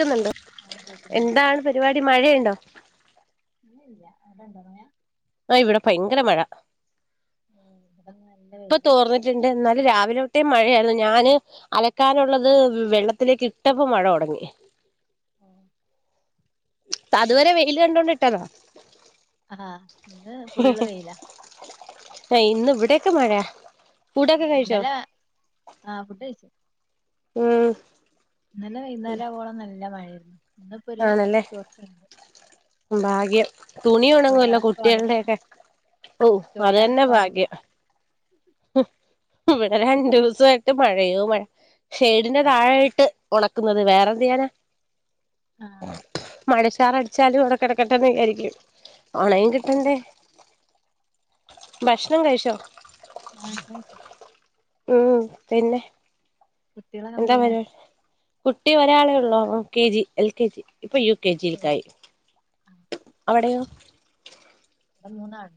എന്താ ആ കേക്കുന്നുണ്ട് എന്താണ് പരിപാടി മഴയ്ണ്ടോ? ഇല്ല ഇല്ല. അവിടെണ്ടോ മഴ? ആഹ്, ഇവിടെ ഭയങ്കര മഴ. ഓ ഇവിടെന്ന് നല്ല ഇപ്പൊ വെയില തോർന്ന് ജ്ണ്ട് ന്നാലും രാവിലെ തൊട്ടേ മഴയായിരുന്നു. ഞാന് അലക്കാനുള്ളത് വെള്ളത്തിലേക്ക് ഇട്ടപ്പോ മഴ തുടങ്ങി. തതുവരെ വെയില് കണ്ടോണ്ട്ട്ടതാ അഹാ! ഇന്ന് ഫുള്ള് വെയില. ഹെ ഇന്ന് ഇവിടെക്കെ മഴയ ഏഹ് ഇന്നല ആ ഫുഡഴിച്ചു. ഉം ഇന്നലെ വൈന്നാരാവൊളം നല്ല മഴേയ്ര്ന്നു ആണല്ലേ ഭാഗ്യം തുണി ഒണങ്ങുവല്ലോ തുണികളൊക്കെ ഒണങ്ങി കുട്ട്യൾടെയെക്കെ ഔ അത് തന്നെ തുണികളൊക്കെ ഒണങ്ങി ഭാഗ്യം ഹും ഇവിടെ രണ്ടൂസയിട്ട് മഴയോ മഴ ഷെയ്ഡിന്റെ ആഹ് താഴെയിട്ട് ഒണക്കുന്നത് വേറെ എന്തേയ്യാനാ ആഹ് മഴ ഷാറ അട്ച്ചാലും അവടെ കെടക്കട്ടെന്ന് വിചാരിക്കും ആഹ് ഓണങ്ങികിട്ടണ്ടേ ഭക്ഷണം കഴിച്ചോ ആ ഷ്ണം കൈച്ചു ഉം പിന്നെ കുട്ടികളൊക്കെ എന്ത് എന്താ ചെയ്യണ് പരിവാ കുട്ടി ഒരാളെ ഒള്ളോ K G L K G ഇപ്പൊ യു കെ ജിൽക്കായി ആ അവടെയോ ഇവട മൂന്നാൾ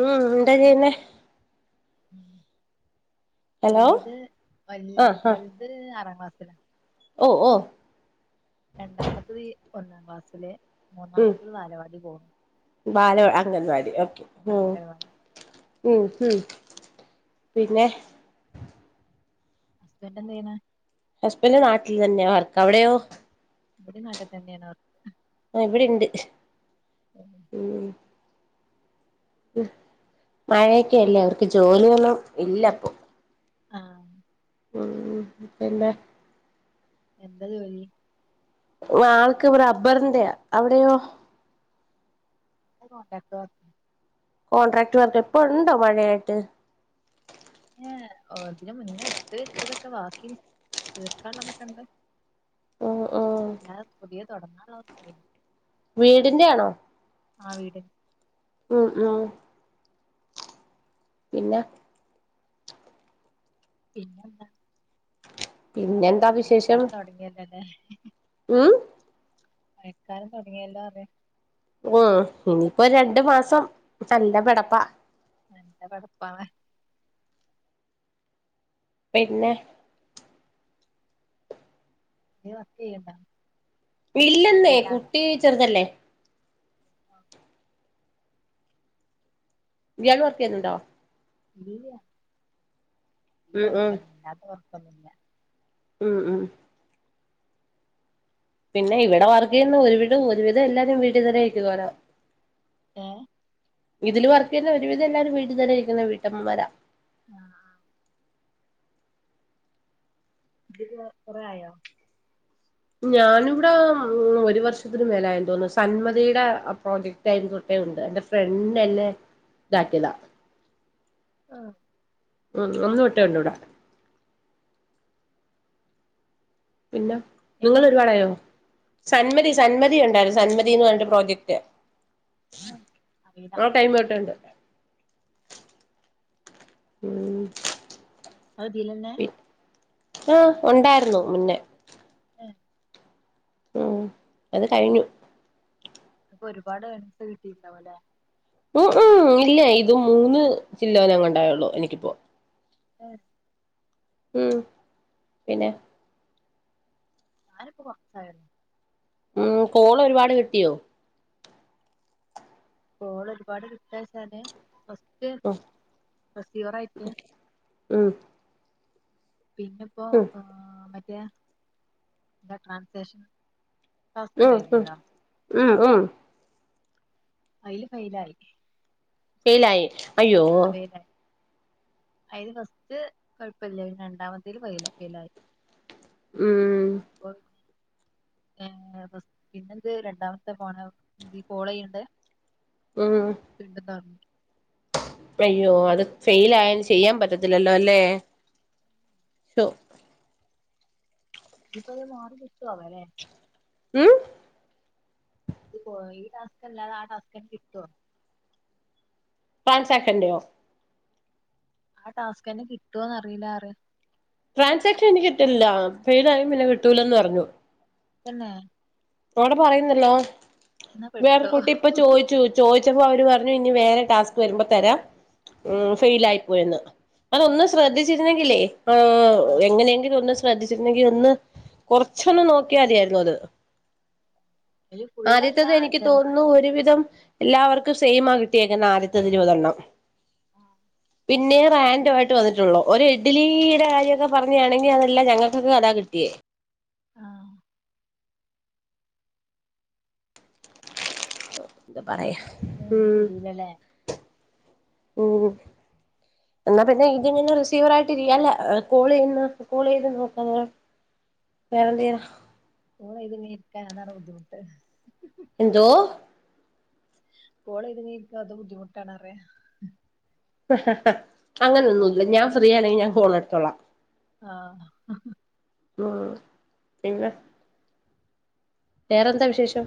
ഉം എന്താ ചെയ്യ്ന്നേ ഹലോ എന്റെത് വല്യ ആഹ് ആഹ് വൽത് ആറാം ക്ലാസ്സ്ലാ ഓ ഓ രണ്ടാമത്തത് ഒന്നാം ക്ലാസ്സില് മൂന്നാമത്തത് വാലവാടി പോവ് വാല അംഗൻവാടി ഓക്കെ ഉം അംഗൻവാടി ഉം ഉം പിന്നെ ഹസ്ബന്റ് എന്ത ചെയ്യുന്നേ ഹസബന്റ് നാട്ടിൽ തന്നെയ വർക്ക് അവിടെയോ വടിം നാട്ട് തന്നെണ് ആ ഇവിടെണ്ട് വർക്ക് മയെക്കെ അല്ലേ അവർക്ക് ജോലിയൊന്നും ഇല്ല പ്പൊ ആഹ് ഉം പിന്നെ എന്താ ജോലി ആൾക്ക് റബ്ബർന്റെയാ അവടെയോ കോണ്ടാക്റ്റ് വർക്ക് കോൺട്രാക്ട് വർക്ക് ഇപ്പ ഉണ്ടോ മഴയായിട്ട് ഏ ഓ ഇതിനെ മുന്നേട്ത്ത് വെച്ചതൊക്കെ ബാക്കി തീർക്കാള്ളതൊക്കണ്ട് ഉം ഉം [unintelligible] പുതിയ തൊടങ്ങാള്ളതൊക്കെ [unintelligible] വീട്ന്റെ യാണോ ആ വീട് ഉം ഉം പിന്ന പിന്നെന്താ ര പിന്നെന്താ വിശേഷം മഴക്കാലം തൊട്ങ്ങിയല്ലല്ലോ ലെ ഉം മഴക്കാലം തൊടങ്ങിയല്ലോറിയ ഉം ഇനിയിപ്പോ രണ്ട് മാസം നല്ല പെടപ്പ നല്ല പെടപ്പാണ് പിന്നെ നീ വർക്കയ്യ് ണ്ടോ ഇല്ലെന്നേ കുട്ടി ഉം. ചെർതല്ലേ ആ, ഇയാള് വർക്കെയ്യുന്നുണ്ടോ ഇല്ല്യ ഈ ഉം ഉം വർക്കന്നേ അല്ലാത്തെ വർക്കൊന്നു ല്ല ഉം ഉം പിന്നെ ഇവിടെ വർക്ക് ചെയ്യുന്ന ഒരു വിട് ഒരുവിധം എല്ലാ വരുംവീട് തന്നെ ഇരിക്കുന്നവരാ ഏ ഇതില് വർക്കിയ്യുന്ന ഒരു വിധം എല്ലാരും വീട്ടിത്തന്നെ ഇരിക്കുന്ന വീട്ടമ്മമാര ആഹ് ഇതില് കൊറേ ആയോ ഞാനിവിടെ മ്മ് ഒരു വർഷത്തിന് മേലെയായെന്ന് തോന്നുന്നു സന്മതിയുടെ പ്രോജക്ട് ടൈം തൊട്ടേ ഒണ്ട് എന്റെ ഫ്രണ്ട് എന്നെ ഇതാക്കിയതാ ആഹ് മ്മ് അന്ന് തൊട്ടേ ഒണ്ടിവിടെ പിന്ന എങ്ങനെ നിങ്ങളൊരുപാടയോ സന്മതി സന്മതി ഉണ്ടായിരു സന്മതിന്ന് പറഞ്ഞിട്ട് പ്രോജക്റ്റ് ഉം. അറിയില്ല ആ ടൈം തൊട്ടേയുണ്ട് ഉം അയ്തിലെന്നെ ആഹ് ഒണ്ടായിരുന്നു മുന്നേ ഏഹ് മ്മ് അത് കഴിഞ്ഞു അപ്പൊ ഒരുപാട് ഏർണിങ്സ് കിട്ടീണ്ടാവുലെ മ്മ് മ്മ് ഇല്ല ഇതു മൂന്ന് ചില്ലോനങ്ങാണ്ടായുള്ളു എനിക്കിപ്പോ ഏഹ് ഉം പിന്നെ ഞാനിപ്പോ കൊറച്ചായിള്ളു ഉം കോളൊരുപാട് കിട്ടിയോ കോളൊരുപാട് കിട്ടാചാല് ഓഹ് മ്മ് പിന്നെപ്പൊ ആ മറ്റേ എന്താ ട്രാൻസാഷൻ മ്മ് ഹ് മ്മ് മ്മ് അയില് ഫെയിലായി ഫെയിലായി അയ്യോ ആ ഫെയിലായി അയില് ഫസ്റ്റ് കുഴപ്പല്ലായിരുന്ന് രണ്ടാമത്തേല് ഫെയ്ല ഫെയ്ലായി ഉം അപ്പൊ ഏ പിന്നെന്ത് രണ്ടാമത്തെ പോണ കോളയ്യണ്ടേ മ്മ് ണ്ട് ന്താ [unintelligible] അയ്യോ അത് ഫെയിലായ ഇനി ചെയ്യാൻ പറ്റത്തില്ലല്ലോ അല്ലേ ഷോ ഇപ്പ അത് മാറി കിട്ടൊ ആവോല്ലെ മ്മ് ഇത് പോയി ഈ ടാസ്‌ക്കല്ലാതെ ആ ടാസ്ക്കെന്നെ കിട്ടൊ [unintelligible] ആ ടാസ്ക്കെന്നെ കിട്ടോന്നറിയിലാ പറയ ട്രാൻസ്ക്രിപ്ക്ഷൻ എനി കിട്ടില്ല ഫെയിലായ പിന്നെ കിട്ടൂലന്ന് പറഞ്ഞു ത്തന്നെ അവിടെ പറയുന്നല്ലോ എന്നാ വേറെ പെട്ടു കുട്ടി ഇപ്പ ചോയിച്ചു ചോദിച്ചപ്പോ അവര് പറഞ്ഞു ഇനി വേറെ ടാസ്ക് വരുമ്പോ തരാം ഉ ഫെയിലായിപ്പോയന്ന് അതൊന്ന് ശ്രദ്ധിച്ചിരുന്നെങ്കില്ലേ ആ ആ എങ്ങനെയെങ്കിലും ഒന്ന് ശ്രദ്ധിച്ചിരുന്നെങ്കിൽ ഒന്ന് കുറച്ചൊന്നു നോക്കിയാ മതിയായിരുന്നത് അതില് ഫുള്ളല്ല ആദ്യത്തത് എനിക്ക് ചെറുത് തോന്നുന്നു ഒരുവിധം എല്ലാവർക്കും സെയിമാ കിട്ടിയേക്കുന്നെ ആദ്യത്തതിരുപതെണ്ണം ആഹ് പിന്നെ റാൻഡം ആയിട്ട് വന്നിട്ടുള്ളൂ ഒരു ഇഡലിയുടെ കാര്യക്കെ പറുയാണെങ്കി അതല്ലാം ഞങ്ങൾക്കൊക്കെ അതാ കിട്ടിയേ ആഹ് എന്താ പറയാ ഞാൻ ഉം ഇനി വരൂലല്ലേ ഉം എന്നാ പിന്നെ ഇതിങ്ങനെ റിസീവറായിട്ട് ഇയാല കോൾ ചെയ്യാന്നാ കോൾ ചെയ്ത് നോക്കാതോർത്ത് വേറെന്തേർന്ന കോൾ ചെയ്ത് ഇങ്ങനെ ഇരിക്കാനാണ് അതാണ്‌ ബുദ്ധിമുട്ട് എന്തോ കോളയ്ത് ങ്ങനെ ഇരിക്കാ അതും ബുദ്ധിമുട്ടാണറേ അങ്ങനെൊന്നുംല്ല ഞാൻ ഫ്രീ ആണേങ്കിൽ ഞാൻ ഫോണെടുത്തോളാം ആഹ് ആഹ് പിന്നെ വേറെന്താ വിശേഷം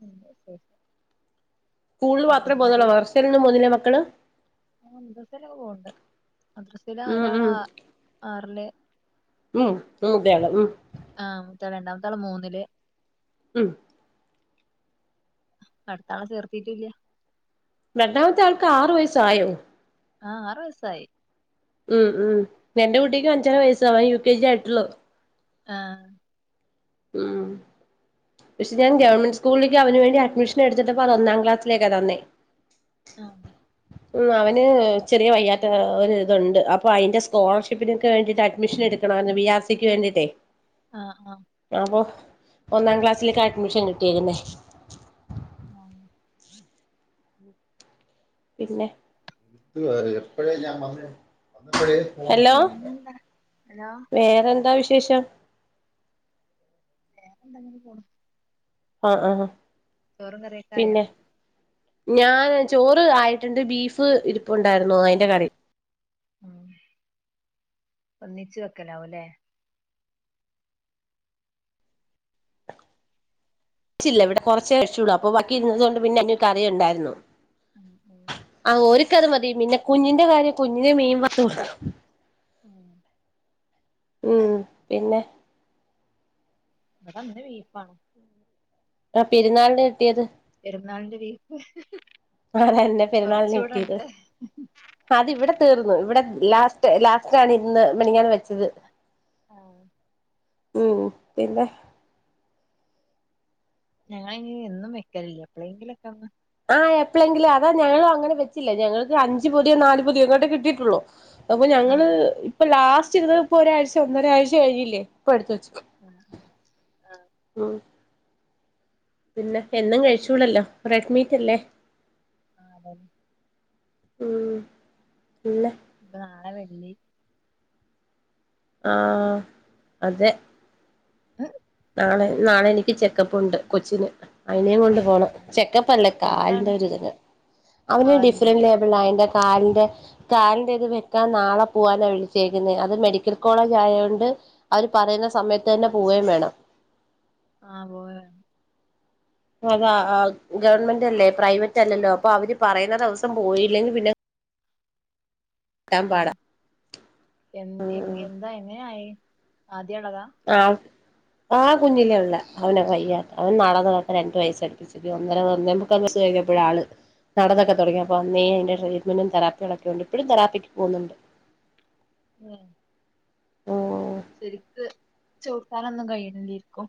നല്ല വിശേഷം സ്കൂളിൽ ഇപ്പ മാത്ര പൊന്നുള്ളു അംഗൻവാടിക്ക് മദ്രസ്സലും പോന്നില്ലേ മക്കള് ആഹ് മദ്രസയിലൊക്കെ പോവണ്ട് മദ്രസല് ഉം ഒരാള് ഉം ആ ആറില് ഉം മൂത്തയാള് ഉം ആ മൂത്തയാള് രണ്ടാമത്താള് മൂന്നില് ഉം അടുത്താള ചേർത്തീട്ടില്ല രണ്ടാമത്തെ ആൾക്ക് ആറു വയസ്സായോ ആ ആറ് വയസായി ഉം ഉം എന്റെ കുട്ടിക്ക് അഞ്ചര വയസ്സവാൻ യു കെ ജി ആയിട്ടുള്ളോ ആഹ് ഉം പക്ഷെ ഞാൻ ഗവൺമെന്റ് സ്കൂളിലേക്ക് അവന് വേണ്ടി അഡ്മിഷൻ എടുതിട്ടപ്പോ അതു ഒന്നാം ക്ലാസിലേക്ക തന്നെ ആഹ് ഉം അവന് ചെറിയ വയ്യാത്ത ഒ ഒരു ഇതുണ്ട് അപ്പൊ അയ്ന്റെ സ്കോളർഷിപ്പിലേക്ക് വേണ്ടിട്ട് അഡ്മിഷൻ എടു ടുക്കണമായിരുന്നു വി ആർ സിക്ക് വേണ്ടിയിട്ടേ ആഹ് ആഹ് അപ്പൊ ഒന്നാം ക്ലാസ്സിലേക്ക അഡ്മിഷൻ കിട്ടിയേക്കുന്നേ ആഹ് പിന്നെ ഇ എപ്പഴേ ഞാൻ വന്നേ ഹലോ പിന്നെന്താ ഹലോ വേറെന്താ വിശേഷം വേറെന്താ ഇങ്ങനെ പോണു ആഹ് ആഹ് ആഹ് ചോറും കറിം ഒക്കായോ പിന്നെ ഞാൻ ചോറ് ആയിട്ടുണ്ട് ബീഫ് ഇരിപ്പുണ്ടായിരുന്നു അയ്ന്റെ കറി ഉം ഒന്നിച്ചു വെക്കലാവും ല്ലേ ച്ചില്ല ഇവിടെ കുറച്ച് വെച്ചുള്ളൂ അപ്പോ ബാക്കി ഇരുന്നത് കൊണ്ട് പിന്നെ കറിയുണ്ടായിരുന്നു ഉം ഉം ആ ഓര്ക്കത് മതി പിന്നെ കുഞ്ഞിന്റെ കാര്യം കുഞ്ഞിന് മീൻ വർത്തു കൊടുക്കണം ആഹ് ഉം പിന്നെ വടെ ന്ന് ബീഫാണ് ആ പെരുന്നാളിന് കിട്ടിയത് പെരുന്നാളിന്റെ ബീഫ് അതന്നേ പെരുന്നാളിന് കൊറച്ചൂടെ കിട്ടീത് ഉണ്ട് അത് ഇവടെ തീർന്ന് ഇവടെ ലാസ്റ്റ് ലാസ്റ്റ് ആണ് ഇന്ന് മിനിയാന്ന് വെച്ചത് ആഹ് ഉം പിന്നെ ഞങ്ങ ളയ്ന് എന്ന് വെക്കലില്ല എപ്പഴെങ്കിലൊക്കെന്ന് ആഹ് എപ്പോഴെങ്കിലും അതാ ഞങ്ങ അങ്ങനെ വച്ചില്ല ഞങ്ങൾക്ക് അഞ്ചച് പതിയോ നാല പൊതിയോ അങ്ങോട്ട് കിട്ടിട്ടുള്ളു അപ്പൊ ഞങ്ങള് ആഹ് ഇപ്പൊ ലാസ്റ്റ് ഇത് ഇപ്പൊ ഒരാഴ്ച ഒന്നര ആഴ്ച കഴിഞ്ഞില്ലേ ഇപ്പ എടുത്ത് വെ ആഹ് ആഹ് ആഹ് പിന്നെ എന്നും കഴിചൂള ല്ലോ റെഡ്മീറ്റ് അല്ലേ ആഹ് അതല്ലെ മ്മ് ല്ലേ നാളെ വർല് ആഹ് അതെ നാളെ നാളെ എനിക്ക് ചെക്കപ്പ് ഉണ്ട് കൊച്ചിന് അയിനേയും കൊണ്ട് ചെക്കപ് അല്ല എന്താണ് കാലിന്റെ ഒരിത് ന് കാലിനോ ഓന്റെ കാല്ന്റെ കാൽന്റെ ഇത് ക്ക നാളെ പോവാനാണ് വിളിച്ചേരിക്കുന്നത് അത് മെഡിക്കൽ കോളേജ് ആയതോണ്ട് അവര് പറയുന്ന സമയത്ത് ന്നെ ആഹ് പോവയും വേണം [unintelligible] അതാ ഗവൺമെന്റ് അല്ലേ പ്രൈവറ്റ് അല്ലല്ലോ അപ്പൊ അവര് പറയുന്ന ദിവസം പോയില്ലെങ്കിൽ പിന്നെ [unintelligible] പാട ആഹ് എ എ എന്താ എങ്ങനെയായി ആദ്യ ള്ളതാ ആഹ് ആഹ് കുഞ്ഞിലേ ഉ ള്ള [unintelligible] അവൻ നടന്ന നട ഏഹ് രണ്ടു വയസ്സ ഇച്ചിരി ഒന്നര ഒന്നേ [unintelligible] കഴിഞ്ഞപ്പോഴ ആള് നടന്നൊക്കെ തുടങ്ങിപ്പോ അന്നേ അതിന്റെട്രീറ്റ്മെറും തെറാപ്പിയുംക്കെ ഉണ്ട് ഇപ്പഴും തെറാപ്പിക്ക് പോവുന്നുണ്ട് എഹ് ഉം ശരിക്ക് ചോർത്താലൊന്നും കഴിയണില്ലേ രിക്കും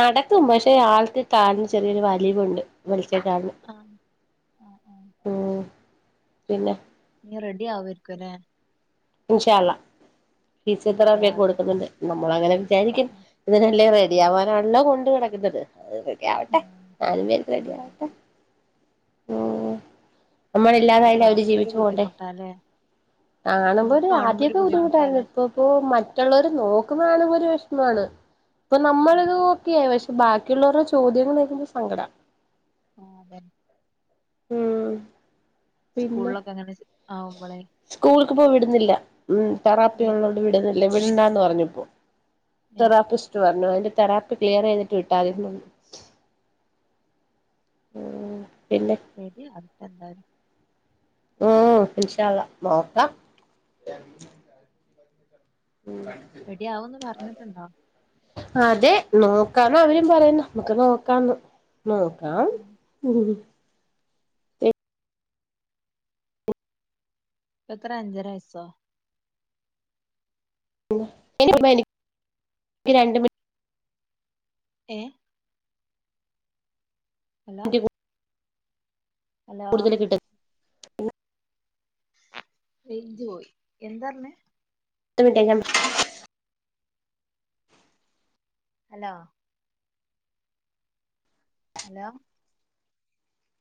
നടക്കും പക്ഷെ ആൾക്ക് കാല്ന്ന് ചെറിയൊരു വലിവുണ്ട് വിളിച്ചെ കാല്ന്ന് ആം ആഹ് ആഹ് മ് പിന്നെ ഇനി റെഡി ആവർക്കും ലെ ഇൻഷാ അല്ലാഹ് ഫീസിയ റെഡി തെറാപ്പിയ ഒക്കെ ആവട്ടെ കൊടുക്കുന്നുണ്ട് നമ്മൾ അങ്ങനെ ഉം വിചാരിക്കും ഉം ഇതിനെല്ല റെഡി ഉം ആവാ കള്ളോ കൊണ്ട് [unintelligible] റെഡി അത് ആവട്ടെ ആഹ് [unintelligible] റെഡി ആവട്ടെ നമ്മള അത് ഇല്ലാതായല്ല അവര് കാണുമ്പോ ഒരു ജീവിച്ചു പോകണ്ടേ ബുദ്ധിമുട്ടാല്ലേ കാണുമ്പോ നമുക്ക് ഒരു കാണുമ്പോ ആദ്യക്കെ ബുദ്ധിമുട്ടായിരുന്നു ബുദ്ധിമുട്ടാല്ലേ ഇപ്പ ഇപ്പോ മറ്റുള്ളവര് നോക്കുന്നാണെങ്ക ഒരു വിഷമമാണ് ഇപ്പൊ ആഹ് നമ്മളിത് പക്ഷെ ബാക്കിയുള്ളവരുടെ ചോദ്യങ്ങൾക്ക സങ്കട ആഹ് അതന്നെ ഉംമ് സ്കൂളിലൊക്കെ അങ്ങനെ ആവുമ്പോളെ സ്കൂളക്ക്പ്പോ വിടുന്നില്ല ഉമ് ഏ തെറാപ്പിള്ളോണ്ട് വിടുന്നില്ല വിടണ്ടാന്ന് പറഞ്ഞപ്പോ ഏ തെറാപ്പിസ്റ്റ് പറഞ്ഞു അതിന്റെറെ തെറാപ്പി ക്ലിയർ ചെയ്തിട്ട് വിട്ടാമതി ഓ പിന്നെ ശെരി [unintelligible] ഉ ഇൻഷാ അള്ളാ നോക്കാം [unintelligible] മം റെഡിയാവുമെന്ന് പറഞ്ഞിട്ടുണ്ടോ അതെ നോക്കാന്ന അവരും പറയുന്നു നമ്മുക്ക് നോക്കാം എന്ന് നോക്കാം ഇത്ര അഞ്ചരയസോ [unintelligible] ഏ ഹലാ മിനിറ്റ് ഹലോ കൂടുതൽ കിട്ടും റേഞ്ച് പോയി എന്താ പറഞ്ഞേ തി ഞ [unintelligible] ഹലോ ഹലോ